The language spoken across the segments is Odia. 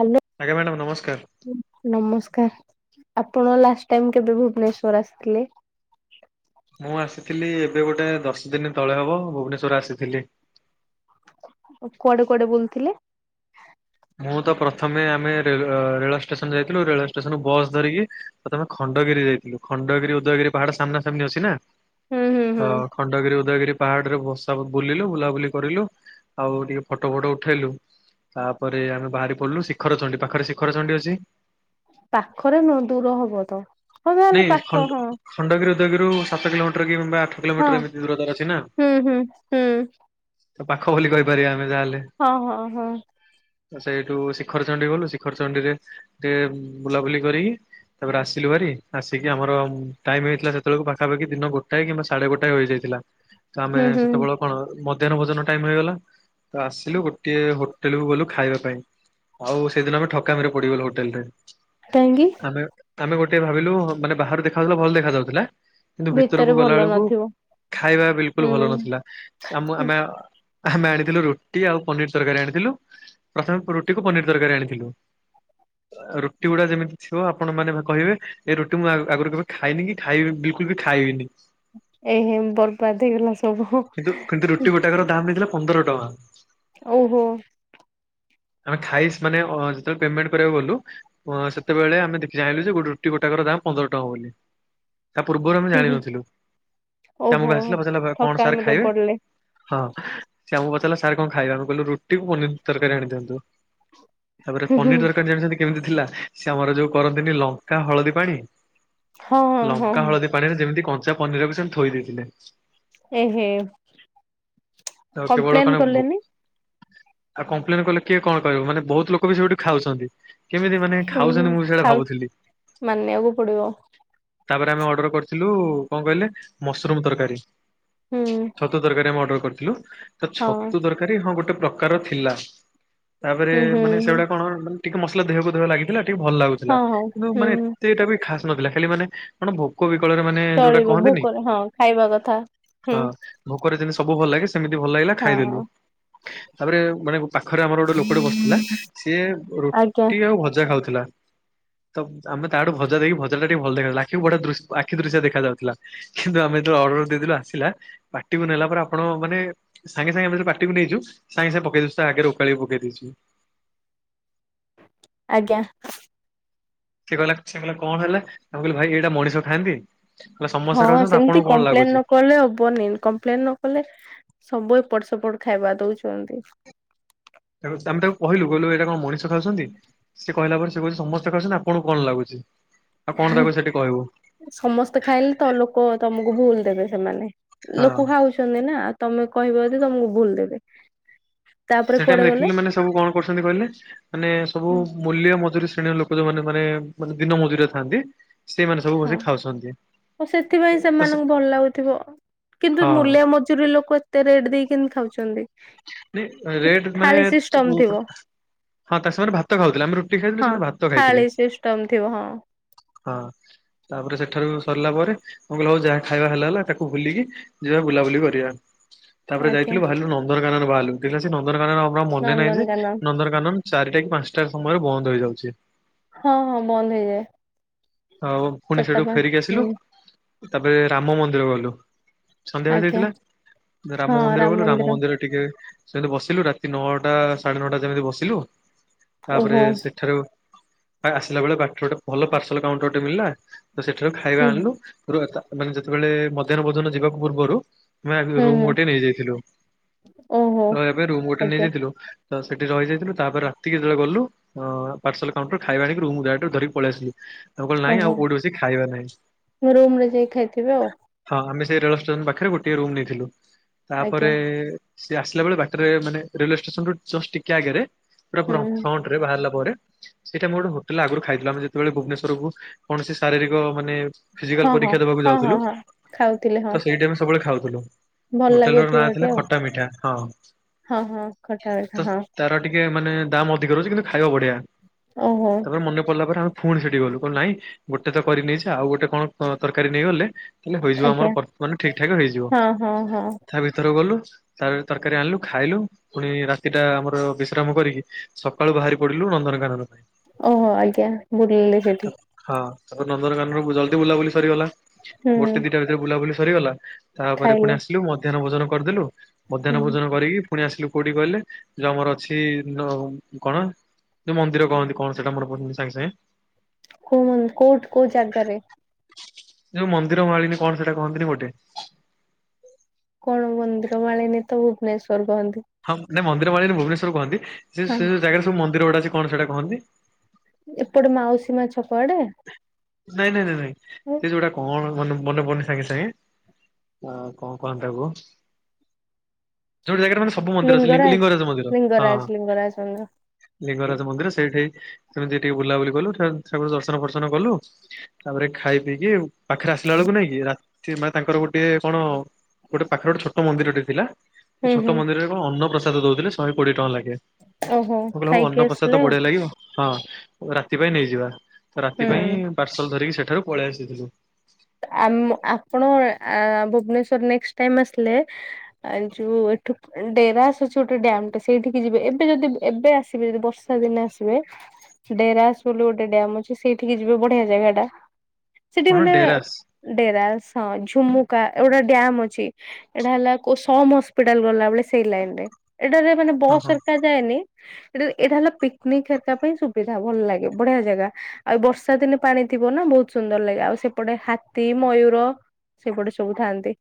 ହାଲୋ। ଆଜ୍ଞା ମ୍ୟାଡ଼ାମ ନମସ୍କାର। ନମସ୍କାର, ଆପଣ ଲାଷ୍ଟ ଟାଇମ କେବେ ଭୁବନେଶ୍ଵର ଆସିଥିଲେ? ମୁଁ ଆସିଥିଲି ଏବେ ଗୋଟେ ଦଶ ଦିନ ତଳେ ହବ ଭୁବନେଶ୍ଵରରେ ଆସିଥିଲି। କୁଆଡେ କୁଆଡେ ବୁଲଥିଲେ? ମୁଁ ତ ପ୍ରଥମେ ଆମେ ରେଳ ରେଳ ଷ୍ଟେସନ ଯାଇଥିଲୁ ରେଳ ଷ୍ଟେସନରୁୁ ବସ୍ ଧରିକି ପ୍ରଥମେ ଖଣ୍ଡଗିରି ଯାଇଥିଲୁ ଖଣ୍ଡଗିରି ଉଦୟଗିରି ପାହାଡ ସାମ୍ନା ସାମ୍ନି ଅଛି ନା। ହୁଁ ହୁଁ ହୁଁ ତ ଖଣ୍ଡଗିରି ଉଦୟଗିରି ପାହାଡ଼ରେ ବସା ବୁଲିଲୁ ବୁଲାବୁଲି କରିଲୁ ଆଉ ଟିକେ ଫଟୋ ଫଟ ଉଠେଇଲୁ। ପରେ ଆମେ ବାହାରି ପଡିଲୁ ଶିଖରଚଣ୍ଡୀ ପାଖରେ ଶିଖର ଚଣ୍ଡୀ ଅଛି। ପାଖରେ ନୁହଁ ଦୂର ହବ ତ। ହଁ ତାହେଲେ ନାଇଁ ପାଖ ଖଣ୍ଡ ହଁ ଖଣ୍ଡଗିରି ଉଦଗିରୁ ସାତ କିଲୋମିଟର କି କିମ୍ବା। ଆଠ ହଁ କିଲୋମିଟର ଏମିତି ଦୂର ତାର ଅଛି ନା ହୁଁ ହୁଁ ହୁଁ ତ ପାଖ ବୋଲି କହିପାରିବା ଆମେ ଯାହାହେଲେ। ହଁ ହଁ ହଁ। ସେଇଠୁ ଶିଖର ଚଣ୍ଡୀ ଗଲୁ ଶିଖର ଚଣ୍ଡୀରେ। ଟିକେ ବୁଲାବୁଲି କରିକି ତାପରେ ଆସିଲୁ ଭାରି। ଆସିକି ଆମର ଟାଇମ ହେଇଥିଲା ସେତେବେଳକୁ ପାଖାପାଖି ଦିନ ଗୋଟାଏ କିମ୍ବା ସାଢେ ଗୋଟାଏ ହେଯାଇଥିଲା। ତ ଆମେ ହୁଁ ହୁଁ ସେତେବେଳେ କଣ ମଧ୍ୟାହ୍ନ ଭୋଜନ ଟାଇମ ହେଇଗଲା ତ ଆସିଲୁ ଗୋଟିଏ ହ ହୋଟେଲକୁୁ ଗଲୁ ଖାଇବା ପାଇଁ ଆଉ ସେଦିନ ଆମେ ଠକାମିରେ ପଡିଗଲୁ ହୋଟେଲ ରେ। କାହିଁକି? ଆମେ ଆମେ ଗୋଟେ ଭାବିଲୁ ମାନେ ବାହାରୁ ଦେଖା ଯାଉଥିଲା ଭଲ ଦେଖା ଯାଉଥିଲା। କିନ୍ତୁ ଭିତରେ ଭିତରକୁ ଗଲା ଭଲ ବେଳକୁ। ନଥିବ ଖାଇବା ବିଲକୁଲ ହୁଁ। ଭଲ ନଥିଲା ଆମ ଆମେ ଆମେ ଆଣିଥିଲୁ ରୁ ରୁଟି ଆଉ ପନିର ତରକାରୀ ଆଣିଥିଲୁ ପ୍ରଥମେ ରୁଟି କୁ ପନିର ତରକାରୀ ଆଣିଥିଲୁ। ରୁଟି ଗୁଡା ଯେମିତି ଥିବ ଆପଣ ମାନେ କହିବେ। ଏ ରୁଟି ମୁଁ ଆଗରୁ କେବେ ଖାଇନି କି ଖାଇବି ବିଲକୁଲ ବି ଖାଇବନି। ଏହେ ବରବାଦ ହେଇଗଲା ସବୁ। କିନ୍ତୁ କିନ୍ତୁ ରୁଟି ଗଟାକର ଦାମ ହେଇଥିଲା ପନ୍ଦର ଟଙ୍କା। ଓହୋ। ଆମେ ଥାଇସ୍ ମାନେ ଯେତେବେଳେ ପେମେଣ୍ଟ କରିବାକୁ ଗଲୁ ସେତେବେଳେ ଆମେ ଯାଇଁଲୁ ଯେ ଗୋଟେ। ଗୋଟାକର ଦାମ ପନ୍ଦର ଟଙ୍କା ବୋଲି। ତା ପୂର୍ବରୁ ଆମେ ହୁଁ ହୁଁ ଜାଣିନଥିଲୁ ସେ ଓହୋ। ଆମକୁ ଆସିଲା ପଚାରିଲା କଣ ସାର୍ ଠକାମିରେ ଖାଇବେ। ପଡିଲେ ହଁ ସେ ଆମକୁ ପଚାରିଲା ସାର୍ କଣ ଖାଇବା ଆମେ କହିଲୁ ରୁଟିକୁ ପନିର ତରକାରୀ ଆଣିଦିଅନ୍ତୁ। ତାପରେ ହୁଁ ହୁଁ ପନିର ଦରକାରାନ ଜାଣିଛନ୍ତି କେମିତି ଥିଲା ସେ ଆମର ଯୋଉ କରନ୍ତିନି ଲଙ୍କା ହଳଦୀ ପାଣି। ହଁ ହଁ ହଁ। ଲଙ୍କା ହଳଦୀ ପାଣିରେ ଯେମିତି କଞ୍ଚା ପନିରକୁ ସେମତି ଥୋଇ ଦେଇଥିଲେ। ଏହେ ତ କେବଳ କମ୍ପ୍ଲେନ କଣ କଲେନି। ଆଉ କମ୍ପ୍ଲେନ କଲେ କିଏ କଣ କରିବ ମାନେ ବହୁତ ଲୋକ ବି ସେଇଠି ଖାଉଛନ୍ତି। କେମିତି ମାନେ ହୁଁ ହୁଁ ଖାଉଛନ୍ତି ମୁଁ ବି ସେଇଟା ଖାଉ ଭାବୁଥିଲି। ମାନିବାକୁ ପଡିବ। ତାପରେ ଆମେ ଅର୍ଡର କରିଥିଲୁ କଣ କହିଲେ ମସରୁମ ତରକାରୀ। ହୁଁ ଛତୁ ତରକାରୀ ଆମେ ଅର୍ଡର କରିଥିଲୁ ତ ହଁ। ଛତୁ ତର କରୀ ହଁ ଗୋଟେ ପ୍ରକାର ଥିଲା ତାପରେ ହୁଁ ହୁଁ ମାନେ ହୁଁ ସେଗୁଡା କଣ ଟିକେ ମସଲା ଦେହକୁ ଦେହ ଲାଗିଥିଲା ଟିକେ ଭଲ ହଁ ଲାଗୁଥିଲା ହଉ କିନ୍ତୁ ମାନେ ହୁଁ ଏତେଟା ବି ଖାସ ନଥିଲା ଖାଲି ମାନେ। କଣ ଭୋକ ବିକଳରେ ମାନେ ଯୋଉଟା ଚଳିବ କହନ୍ତିନି ଭୋକରେ ହଁ ଖାଇବା କଥା। ହୁଁ ହଁ। ଭୋକରେ ଯେମିତି ସବୁ ଭଲ ଲାଗେ ସେମିତି ଭଲ ଲାଗିଲା ଖାଇଦେଲୁ। ହଁ ତାପରେ ମାନେ ପାଖରେ ଆମର ଗୋଟେ ଲୋକୋେ ବସିଥିଲା। ସିଏ ଆଜ୍ଞା ରୁଟି ଆଉ ଭଜା ଖାଉଥିଲା ତ। ଆମେ ତାଠୁ ଭଜା ଦେଖି ଭଜାଟା ଟିକେ ଭଲ ଦେଥିଲା ଆଖି ଗଟେ ଆଖି ଦୃଶ୍ୟ ଦେଖାଯାଉଥିଲା। କିନ୍ତୁ ଆମେ ଯେତବେଳେ ଅର୍ଡର ଦେଇଲୁ ଆସିଲା ପାଟିକୁ ନେଲା ପରେ ଆପଣ ମାନେ। ସାଙ୍ଗେ ସାଙ୍ଗେ ଏମିତି ପାଟିକୁ ନେଇଛୁ ସାଙ୍ଗେ ସାଙ୍ଗ ପକେଇଦଉୁ ତା ଆଗରେ ଓକାଳି ପକେଇ ଦେଇଛୁ। ଆଜ୍ଞା। ସେ କହିଲା ସେ କହିଲ କଣ ହେଲା ଆମେ କହିଲୁ ଭାଇ ଏଇଟା ମଣିଷ ଖାଆନ୍ତି? କହିଲା ହଁ ସମସ୍ତେ ଖାଉଛନ୍ତି ସେମିତି ଆପଣଙ୍କୁ କଣ କମ୍ପ୍ଲେନ ଲାଗୁଛି ନକଲେ ହବନ। କମ୍ପ୍ଲେନ ନ କଲେ ସବୁ ଏପଟ ସେପଟ ଖାଇବା ଦଉଛନ୍ତି। ତା ଆମେ ତାକୁ କହିଲୁ କହିଲୁ ଏଇଟା କଣ ମଣିଷ ଖାଉଛନ୍ତି। ସେ କହିଲା ପରେ ସେ କହୁଚି ସମସ୍ତେ ଖାଉସନ୍ତି ଆପଣଙ୍କୁ କଣ ଲାଗୁଛି? ଆଉ କଣ ତାକୁ ସେଠି କହିବୁ ସମସ୍ତେ ଖାଇଲେ ତ ଲୋ ଲୋକ ତମକୁ ଭୁଲ ଦେବେ ସେମାନେ ହଁ। ଲୋକ ଖାଉସ ଛନ୍ତି ନା ତମେ କହିବ ଯଦି ତମକୁ ଭୁଲ ଦେବେ। ତାପରେ ସେଟା କୁଆଡେ ଗଲେ ମ୍ରେକଲି ମାନେ ସବୁ କଣ କରୁଛନ୍ତି କହିଲେ? ମାନେ ସବୁ ହୁଁ ମୂଲିଆ ମଜୁରୀ ଶ୍ରେଣୀଅ ଲୋକ ଯୋଉମାନେ ମାନେ ଦିନ ମଜୁରରିଆ ଥାନ୍ତି ସେଇମାନେ ସବୁ ହଁ ବସିକି ଖାଉଛନ୍ତି। ଆଉ ସେଥିପାଇଁ ତ ସେ ସେମାନଙ୍କୁ ଭଲ ଲାଗୁଥିବ। କିନ୍ତୁ ହଁ ମୂଲିଆ ମଜୁରୀ ଲୋକ ଏତେ ରେଟ ଦେଇ କେମତି ଖାଉଛନ୍ତି? ନ କି ରେଟ ମାନେ ଥାଳି ସିଷ୍ଟମ ଥିବ। ହଁ ତାକୁ ସେମାନେ ଭାତ ଖାଉଥିଲେ ଆମେ ରୁଟି ଖାଇଥିଲୁ ହଁ ସେମାନେ ଭାତ ଥାଳି ଖାଇଥିଲେ। ସିଷ୍ଟମ ଥିବ ହଁ। ହଁ ତାପରେ ସେଠାରୁ ସରିଲା ପରେ ମୁଁ କହିଲି ହଉ ଯାହା ଖାଇବା ହେଲା ହେଲା ତାକୁ ଭୁଲିକି ଯିବା ବୁଲାବୁଲି କରିବା। ତାପରେ ଆଜ୍ଞା ଯାଇଥିଲୁ ବାହାରିଲୁ ନନ୍ଦନକାନନ ବାହାରିଲୁ ଦେଖିଲାସି ନନ୍ଦନକାନନ ଆମର ଆଉ ମନେ ନାହିଁ ଯେ ନନ୍ଦନକାନନ ନନ୍ଦନକାନନ ଚାରିଟା କି ପାଞ୍ଚଟା ସମୟରେ ବନ୍ଦ ହେଇଯାଉଛି। ହଁ ହଁ ବନ୍ଦ ହେଇଯାଏ। ଆଉ ପୁଣି ଚାରିଟା ସେଠୁ ଫେରିକି ପାଞ୍ଚ ଆସିଲୁ ହୁଁ ତାପରେ ରାମ ମନ୍ଦିର ଗଲୁ। ସନ୍ଧ୍ୟା ହେଇ ଆଜ୍ଞା ଯାଇଥିଲା ରାମ ମନ୍ଦିର ଗଲୁ ରାମ ମନ୍ଦିର ଟିକେ ସେମିତି ବସିଲୁ ରାତି ନଅଟା ସାଢେ ନଅଟା ଯେମିତି ବସିଲୁ ତାପରେ ଓହୋ ସେଠାରୁ ଆସିଲା ବେଳେ ବାଟ ଗୋଟେ ଭଲ ପାର୍ସଲ କାଉଣ୍ଟରେ ମିଳିଲା। ତ ସେଠାରୁ ହୁଁ ଖାଇବା ଆଣିଲୁ ପୁର ମାନେ ଯେତେବେଳେ ମଧ୍ୟାହ୍ନ ଭୋଜନ ଯିବାକୁ ପୂର୍ବରୁ ମା ହୁଁ ରୁମ ହୁଁ ଗୋଟେ ନେଇଯାଇଥିଲୁ। ଓହୋ ରହିବା ପାଇଁ ରୁମ ଗୋଟେ ଆଜ୍ଞା ନେଇଯାଇଥିଲୁ ତ ସେଠି ରହିଯାଇଥିଲୁ ତାପରେ ରାତିକି ଯେତେବେଳେ ଗଲୁ ହଁ ପାର୍ସଲ କାଉଣ୍ଟରୁ ଖାଇବା ଆଣିକି ରୁମକୁ ଡାଇରେକ୍ଟ ଧରିକି ପଳେଇ ଆସିଲି। ସବୁ କହିଲେ ନାଇଁ ଓହୋ ଆଉ କୋଉଠେ ବସି ଖାଇବା ନାହିଁ। ରୁମ ରେ ଯାଇ ଖାଇଥିବେ ଆଉ ହଁ ଆମେ ସେଇ ରେଳ ଷ୍ଟେସନ ପାଖରେ ଗୋଟିଏ ରୁମ ନେଇଥିଲୁ ଆଜ୍ଞା ତାପରେ ସେ ଆସିଲା ବେଳେ ବାଟରେ ମାନେ ରେଲୱେ ଷ୍ଟେସନ ରୁ ଜଷ୍ଟ ଟିକେ ଆଗରେ ପୁରା ହୁଁ ଫ୍ରଣ୍ଟ ରେ ବାହାରିଲା ପରେ ସେଟା ମୁଁ ଗୋଟେ ହୋଟେଲ ଆଗରୁ ଖାଇଥିଲୁ ଆମେ ଯେତେବେଳେ ଭୁବନେଶ୍ୱର କୁ କୌଣସି ଶାରୀରିକ ମାନେ ଫିଜିକାଲ ହଁ ହଁ ପରୀକ୍ଷା ଦେବାକୁ ହଁ ହଁ ଯାଉଥିଲୁ ହଁ ଖାଉଥିଲେ ହଁ ତ ସେଇଠେ ଆମେ ସବୁବେଳେ ଖାଉଥିଲୁ। ଭଲ ହୋଟେଲ ର ଲାଗୁଥିବ ନାଁ ହେଠି ଥିଲା ଆଉ ଖଟା ମିଠା ହଁ। ହଁ ହଁ ଖଟା ତ ମିଠା ହଁ। ତାର ଟିକେ ମାନେ ଦାମ୍ ଅଧିକ ରହୁଛି କିନ୍ତୁ ଖାଇବା ବଢିଆ। ଓହୋ। ତାପରେ ମନେ ପଡିଲା ପରେ ଆମେ ପୁଣି ସେଠିକି ଗଲୁ କହିଲୁ ନାଇଁ ଗୋଟେତ କରି ନେଇଛେ ଆଉ ଗୋଟେ କଣ ତରକାରୀ ନେଇ ଗଲେ ତାଲେ ହୋଇଯିବ ଆଜ୍ଞା ଆମର ପର ମାନେ ଠିକ ଠାକ ହେଇଯିବ ହଁ ହଁ ହଁ ତା ଭିତରୁ ଗଲୁ ତାପ ରେ ତରକାରୀ ଆଣିଲୁ ଖାଇଲୁ। ପୁଣି ରାତିଟା ଆମର ବିଶ୍ରାମ କରିକି ସକାଳୁ ବାହାରି ପଡିଲୁ ନନ୍ଦନକାନନ। ଓହୋ ଆଜ୍ଞା ବୁଲିଲି ସେଠି। ହଁ ତାପରେ ନନ୍ଦନକାନରୁ ଜଲଦି ବୁଲାବୁଲି ସରିଗଲା ହୁଁ ଗୋଟେ ଦିଟା ଭିତରେ ବୁଲାବୁଲି ସରିଗଲା। ତାହାପରେ ପୁଣି ଖାଇଲେ ଆସିଲୁ ମଧ୍ୟାହ୍ନ ଭୋଜନ କରିଦେଲୁ ମଧ୍ୟାହ୍ନ ହୁଁ ଭୋଜନ କରିକି ପୁଣି ଆସିଲୁ କୋଉଠିକି କହିଲେ ଯଉ ଆମର ଅଛି କଣ ପ ଯୋଉ ମନ୍ଦିର କହନ୍ତି କଣ ସେଟା ମନେ ପଡୁନି ସାଙ୍ଗେ ସାଙ୍ଗେ କଉ ମନ୍ଦି କଉଠ କଉ ଜାଗାରେ? ଯୋଉ ମନ୍ଦିର ମାଳିନୀ କଣ ସେଟା କହନ୍ତିି ଗୋଟେ କଣ ମନ୍ଦିର ମାଳିନୀ ତ ଭୁବନେଶ୍ଵର କୁହନ୍ତି। ହଁ ମୁଁ ନାଇ ମନ୍ଦିର ମାଳିନୀ ଭୁବନେଶ୍ୱର କହନ୍ତି ଯେ ହଁ ସେ ଜାଗାରେ ସବୁ ମନ୍ଦିର ଗୁଡା ଅଛି କଣ ସେଇଟା କହନ୍ତି। ଏପଟେ ମାଉସୀ ମା ଛକଆଡେ? ନାଇଁ ନାଇଁ ନାଇଁ ନାଇଁ ସେ ଯୋଉଟା କଣ ମ ମନେ ପଡୁନି ସାଙ୍ଗେ ସାଙ୍ଗେ। ହଁ କଣ କହନ୍ତା କୁ ଯୋଟ ଜାଗାରେ ମାନେ ସବୁ ମନ୍ଦିର ଅଛି ଲିଙ୍ଗ ଲିଙ୍ଗରାଜ ମନ୍ଦିର ହଁ ଲିଙ୍ଗରାଜ ଲିଙ୍ଗରାଜ ମନ୍ଦିର। ଲିଙ୍ଗରାଜ ମନ୍ଦିର ସେଇଠି ସେମିତି ଟିକେ ବୁଲାବୁଲି କଲୁ ଠାକୁର ଦର୍ଶ ଦର୍ଶନ ଫର୍ସନ କଲୁ ତାପରେ ଖାଇ ପିଇକି ପାଖରେ ଆସିଲା ବେଳକୁ ନାଇଁକି ରା ସେ ମା ତାଙ୍କର ଗୋଟେ କଣ ଗୋଟେ ପାଖରେ ଗୋଟେ ଛୋଟ ମନ୍ଦିରଟେ ଥିଲା ସେ ହୁଁ ଛୋଟ ହୁଁ। ମନ୍ଦିରରେ କଣ ଅନ୍ନପ୍ରସାଦ ଦଉଥିଲେ ଶହେ କୋଡିଏ ଟଙ୍କା ଲାଖେ ଓହୋ ମୁଁ କହିଲି ହଉ ଖାଇକି ଅନ୍ନପସାଦ ଆସିଲେ ତ ଆଉ ବଢିଆ ଲାଗିବ। ହଁ ରାତି ପାଇଁ ନେଇଯିବା ତ ରାତି ପାଇଁ ହୁଁ। ପାର୍ସଲ ଧରିକି ସେଠାରୁ ପଳେଇ ଆସିଥିଲୁ। ଆମ ଆପଣ ଆଁ ଭୁବନେଶ୍ୱର ନେକ୍ସଟାଇମ ଆସିଲେ ଆ ଯୋଉ ଏଠୁ ଡେରାସ ଅଛି ଗୋଟେ ଡ୍ୟାମ ଟା ସେଇଠିକି ଯିବେ ଏବେ ଯଦି ଏବେ ଆସିବେ ଯଦି ବର୍ଷା ର୍ଷା ଦିନେ ଆସିବେ ଡେରାସ ବୋଲି ଗୋଟେ ଡ୍ୟାମ ଅଛି ସେଇଠିକି ଯିବେ ବଢିଆ ଜାଗା ଟା। ସେଠି କଣ ମାନେ ଡେରାସ୍ ଡେରାସ୍ ହଁ ଝୁମୁକା ଏଗୁଡା ଡ୍ୟାମ ଅଛି। ଏଇଟା ହେଲା କଉ ସମ ହସ୍ପିଟାଲ ଗଲାବେଳେ ସେଇ ଲାଇନ ରେ ଏଇଟାରେ ମାନେ ହଁ ବସ୍ ହଁ ସରକାରା ଯାଏନି। ଏଟା ଏଇଟା ହେଲା ପିକନିକ ହେରିକା ପାଇଁ ସୁବିଧା ଭଲ ଲାଗେ ବଢିଆ ଜାଗା। ଆଉ ବର୍ଷା ଦିନେ ପାଣି ଥିବ ନା ବହୁତ ସୁନ୍ଦର ଲାଗେ ଆଉ ସେପଟେ ହା ତି ମୟୂର ସେଗୁଡେ ସବୁ ଥାନ୍ତି।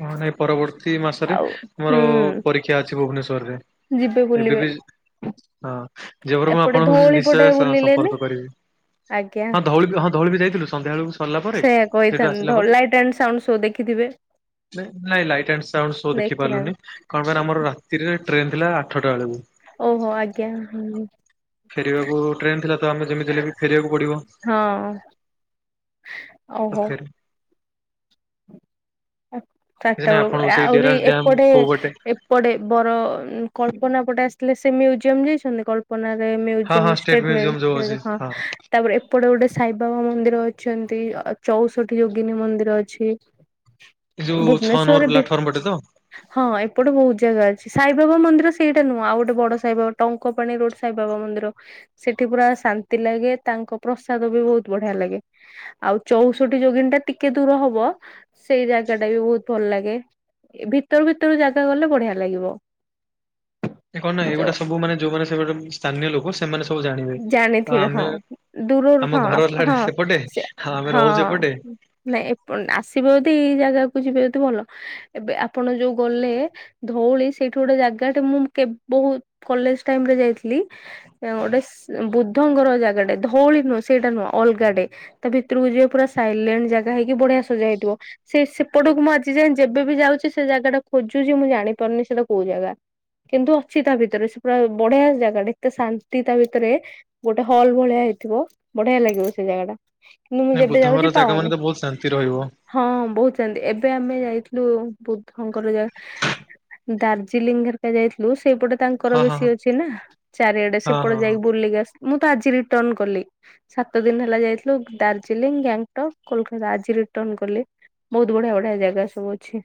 ହଁ ନାଇଁ ପରବର୍ତ୍ତୀ ମାସରେ ମୋର ହୁଁ ପରୀକ୍ଷା ଅଛି ଭୁବନେଶ୍ଵର ରେ ଯିବେ ବୁଲିବେ ଏବେ ବି ହଁ ଯେପର [unintelligible] ମୁଁ ଏପଟେ ଆପଣଙ୍କୁ ଧଉଳି ପଟେ ନିଶ୍ଚୟ ବୁଲିଲେନି ସମ୍ପର୍କ କରିବି। ଆଜ୍ଞା। ହଁ ଧଉଳି ବି ହଁ ଧଉଳି ବି ଯାଇଥିଲୁ ସନ୍ଧ୍ୟା ବେଳକୁ ସରିଲା ପରେ ସେଇଆ ସେଇଠୁ କହିଥାନ୍ତି ଆସିଲା ଧଉଳି ପରେ। ଲାଇଟ୍ ଆଣ୍ଡ ସାଉଣ୍ଡ ଶୋ ଦେଖିଥିବେ ନାଇଁ ଲାଇଟ୍ ଆଣ୍ଡ ସାଉଣ୍ଡ ସୋ ଦେଖି ପାରିଲୁନି ଦେଖିନାହାନ୍ତି କଣ ପାଇଁ ଆମ ରାତିରେ ଟ୍ରେନ ଥିଲା ଆଠଟା ବେଳକୁ। ଓହୋ ଆଜ୍ଞା ହ। ଫେରିବାକୁ ଟ୍ରେନ ଥିଲା ତ ଆମେ ଯେମିତି ହେଲେ ବି ଫେରିବାକୁ ପଡିବ। ହଁ। ତ ଓହୋ। ଫେରି କିଛି ଚାରିଟା ନାଇଁ ବେଳୁକୁ ଆପଣଙ୍କୁ ସେଇ ଆହୁରି ଡେରାସ ଡ୍ୟାମ ଏପଟେ କୋଉ ପଟେ ପଡ଼େ ବର ଉମ୍ କଳ୍ପନା ପଟେ ଆସିଥିଲେ ସେ ମ୍ୟୁଜିୟମ ଯାଇଛନ୍ତି କଳ୍ପ [unintelligible] ହଁ ହଁ ମୂଜିଅମ୍ ଷ୍ଟେଟ ମ୍ୟୁଜିୟମ ଯୋଉ ଅଛି ହଁ। ତାପରେ ଏପଟେ ଗୋଟେ ସାଇବାବା ମନ୍ଦିର ଅଛନ୍ତି ଅ ଚଉଷଠି ଯୋଗିନୀ ମନ୍ଦିର ଅଛି। ଏ ଯୋଉ ଛଅ ନମ୍ବର ଭୁବନେଶ୍ଵରରେ ପ୍ଲାଟଫର୍ମ ପଟେ ତ। ହଁ ଏପଟେ ବହୁତ ଜାଗା ଅଛି ସାଇବାବା ମନ୍ଦିର ସେଇଟା ନୁହଁ ଆଉ ଗୋଟେ ବଡ ସାଇବାବା ଟଙ୍କ ଙ୍କପାଣି ରୋଡ ସାଇବାବା ମନ୍ଦିର। ସେଠି ପୁରା ଶାନ୍ତି ଲାଗେ ତାଙ୍କ ପ୍ରସାଦ ବି ବହୁତ ବଢିଆ ଲାଗେ। ଆଉ ଚଉଷଠି ଯୋଗିନି ଟା ଟିକେ ଦୂର ହବ। ସେଇ ଜାଗା ଟା ବି ବହୁତ ଭଲ ଲାଗେ ଭିତରୁ ଭିତରୁ ଜାଗା ଗଲେ ବଢିଆ ଲାଗିବ। ଏ କଣ ନା ଯ ଏଇଗୁଡା ସବୁ ମାନ ଯୋଉମାନେ ସେ [unintelligible] ସ୍ଥାନୀୟ ଲୋକ ସେମାନେ ସବୁ ଜାଣିବେ ତ ଜାଣିଥିବେ ଆମେ ହଁ। ଦୂରରୁ ହଁ ଆମ ଆପ ଘର ହେଲାଣି ହଁ ସେପଟେ ସେ ହଁ ଆମେ ରହୁଛେ ଏପଟେ ନାଇଁ ଏ ପ ଆସିବେ ଯଦି ଏଇ ଜାଗାକୁ ଯିବେ ଯଦି ଭଲ ଏବେ ଆପଣ ଯୋଉ ଗଲେ ଧଉଳି ସେଇଠୁ ଗୋଟେ ଜାଗା ଟେ ମୁଁ କେବ ବହୁ କଲେଜ ଟାଇମ ରେ ଯାଇଥିଲି। ଗୋଟେ ବୁଦ୍ଧଙ୍କର ଜାଗାଟେ ଧଉଳି ନୁହଁ ସେଇଟା ନୁହଁ ଅଲଗାଟେ ତା ଭିତରକୁ ଯିବ ପୁରା ସାଇଲେଣ୍ଟ ଜାଗା ହେଇକି ବଢିଆ ସଜା ହେଇଥିବ। ସେ ସେପଟକୁ ମୁଁ ଆଜି ଯାଏ ଯେବେ ବି ଯାଉଛି ସେ ଜାଗା ଟା ଖୋଜୁଛି ମୁଁ ଜାଣିପାରୁନି ସେଟା କୋଉ ଜାଗା। କିନ୍ତୁ ଅଛି ତା ଭିତରେ ସେ ପୁରା ବଢିଆ ଜାଗା ଟେ ଏତେ ଶାନ୍ତି ତା ଭି ଭିତରେ ଗୋଟେ ହଲ୍ ଭଳିଆ ହେଇଥିବ ବଢିଆ ଲାଗିବ ସେ ଜାଗା ଟା। କିନ୍ତୁ ମୁଁ ନାଇଁ ବୁଦ୍ଧଙ୍କର ଜାଗା ମାନେ ତ ବହୁତ ଶାନ୍ତି ରହିବ। ହଁଁ ବହୁତ ଶାନ୍ତି ଏବେ ଆମେ ଯାଇଥିଲୁ ବୁଦ୍ଧଙ୍କର ଜାଗ ଦାର୍ଜିଲିଂ ହରିକା ଯାଇଥିଲୁ ସେଇପଟେ ତାଙ୍କର ହଁ ହଁ ହଁ ବେଶୀ ଅଛି ନା ଚାରିଆଡେ ହଁ ସେପଟେ ହଁ ହଁ। ଯାଇ। ଲିଗସ ମୁଁ ତ ଆଜି ରିଟର୍ଣ କଲି। ସାତ ଦିନ ହେଲା ଯାଇଥିଲୁ ଦାର୍ଜିଲିଂ ଗ୍ୟାଙ୍ଗଟକ କୋଲକତା ଆଜି ରିଟର୍ଣ କଲି। ବହୁତ ବଢିଆ ବଢିଆ ଜାଗା ସବୁ ଅଛି।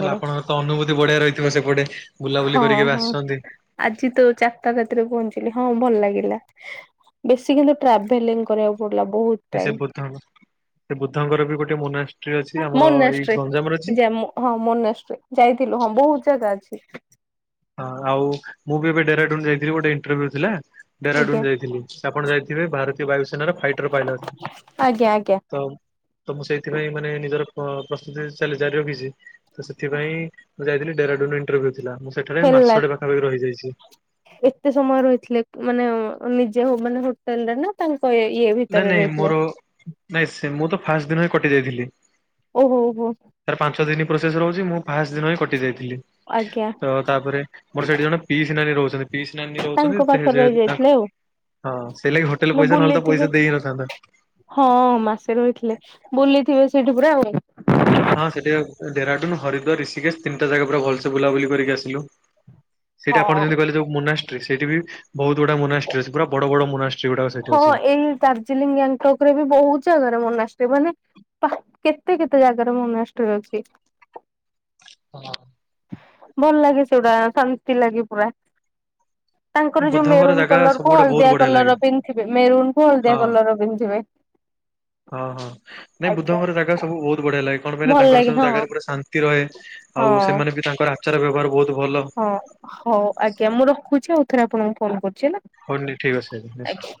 ହେଲେ ଆପଣଙ୍କ ତ ଅନୁଭୂତି ବଢିଆ ରହିଥିବ ସେପଟେ ବୁଲାବୁଲି ହଁ କରିକି ଏବେ ହଁ। ଆସିଛନ୍ତି। ଆଜି ତ ଚାରିଟା ରାତିରେ ପହଞ୍ଚିଲି ହଁ ଭଲ ଲାଗିଲା। ହେଲା ବେଶୀ କିନ୍ତୁ ଟ୍ରାଭେଲିଂ କରିବାକୁ ପଡିଲା ବହୁତ। ସେ ଟାଇମ ବୁଦ୍ଧ ସେ ବୁଦ୍ଧଙ୍କର ବି ଗୋଟେ ମୋନାଷ୍ଟ୍ରି ଅଛି ଆମର ଏଇ ମୋନାଷ୍ଟ୍ରି। ଗଞ୍ଜାମରେ ଅଛି। ଯେ ହଁ ମୋନାଷ୍ଟ୍ରୀ ଯାଇଥିଲୁ ହଁ ବହୁତ ଜାଗା ଅଛି। ହଁ ଆଉ ମୁଁ ବି ଏବେ ଡେରାଡୁନ ଯାଇଥିଲି ଗୋଟେ ଇଣ୍ଟର୍ଭ୍ୟୁ ଥିଲା। ଆଜ୍ଞା ଡେରାଡୁନ ଯାଇଥିଲି ସେ ଆପଣ ଯାଇଥିବେ ଭାରତୀୟ ବାୟୁସେନାର ଫାଇଟର ପାଇଲଟ। ଆଜ୍ଞା ଆଜ୍ଞା। ତ ତ ମୁଁ ସେଇଥିପାଇଁ ମାନେ ନିଜର ପ ପ୍ରସ୍ତୁତି ଜାରି ରଖିଛି। ତ ସେଥିପାଇଁ ମୁଁ ଯାଇଥିଲି ଡେରାଡୁନ ଇଣ୍ଟର୍ଭ୍ୟ ଥିଲା ମୁଁ ସେଠାରେ ହେଲା ମାସଟେ ପାଖାପାଖି ରହିଯାଇଛି। ଏତେ ସମୟ ରହିଥିଲେ ମାନେ ନିଜେ ମାନେ ହୋଟେଲ ରେ ନା। ତାଙ୍କ ଇଏରେ। ନାଇଁ ନାଇଁ ମୋର ନାଇଁ ସେ ମୁଁ ତ ଫାଷ୍ଟ ଦିନ ହିଁ କଟି ଯାଇଥିଲି। ଓହୋ ହୋ। ତାର ପାଞ୍ଚ ଦିନ ପ୍ରୋସେସ୍ ରହୁଛି ମୁଁ ଫାଷ୍ଟ ଦିନ ହିଁ କଟି ଯାଇଥିଲି। ଆଜ୍ଞା ତ ତାପରେ ମୋର ସେଇଠି ଜଣେ। ପିଇସି ନାନୀ ରହୁଛନ୍ତି। ପିଇସି ନାନୀ ରହୁଛନ୍ତି ତାଙ୍କ ଯେ ପାଖରେ ଯେହତୁ ତାଙ୍କ, ରହିଯାଇଥିଲେ ଆଉ। ହଁ ସେ ଲାଗି ହୋଟେଲ ହେଲେ ପଇସା ନହେଲେ ତ ବୁଲିଥିବେ? ପଇସା ଦେଇ ହିଁ ନଥାନ୍ତା। ହଁ ମାସେ ରହିଥିଲେ ବୁଲିଥିବେ ସେଇଠି ପୁରା ଆଉ। ହଁ ସେଠୀକା ଡେରାଡୁନ ହରିଦ୍ୱାର ରିଷିକେଶ ତିନିଟା ଜାଗା ପୁରା ଭଲସେ ବୁଲାବୁଲି କରିକି ଆସିଲୁ। ସେଠି ଆପଣ ହଁ। ଯେମିତି କହିଲେ ଯୋଉ ମୁନାଷ୍ଟ୍ରିସ ସେଇଠୀ ବି ବହୁତ୍ ଗୁଡା ମୁନାଷ୍ଟ୍ରିସ, ପୁରା ବଡ ବଡ ମୁନାଷ୍ ହଁ ଏଇ ଦାର୍ଜିଲିଂ ଗାଙ୍ଗଟକ ରେ ବି ବହୁତ ଜାଗାରେ ମୋନାଷ୍ଟ୍ରୀ ମାନେ। ବା କେତେ କେତେ ଜାଗାର ମୋନାଷ୍ଟ୍ରି ଅଛି। ହଁ। ଭଲ ଲାଗେ ସେଗୁଡା ଶାନ୍ତି ଲାଗେ ପୁରା। ତାଙ୍କର ଯୋଉ ବୁଦ୍ଧଙ୍କର ମେରୁନ୍ ଜାଗା କଲର ସବୁ କୁ ଗୁଡା ବହୁତ ହଳଦିଆ ବଢିଆ ଲାଗେ କଲରର ପିନ୍ଧିଥିବେ, ମେରୁନ୍ କୁ ହଳଦିଆ ହଁ। କଲରର ପିନ୍ଧିଥିବେ। ହଁ ହଁ ନାଇଁ ଆଜ୍ଞା। ବୁଦ୍ଧଙ୍କର ଜାଗା। ସେ ସବୁ ବହୁତ ବଢିଆ ଲାଗେ, କଣ ପାଇଁ ନା ଭଲ ତାଙ୍କର ଲାଗେ ସବୁ ହଁ ଜାଗାରେ ପୁର ଶାନ୍ତି ରହେ, ଆଉ ହଁ। ସେମାନେ ବି ତାଙ୍କର ଆ ଆଚାର ବ୍ୟବହାର ବହୁତ ଭଲ। ହଁ ହଉ ଆଜ୍ଞା ମୁଁ ରଖୁଛି ଆଉ ଥରେ ଆପଣଙ୍କୁ ଫୋନ କରୁଛି ହେଲା। ହଉନି ଠିକ୍ ଅଛି ଏବେ ନେକ୍ସଟ୍।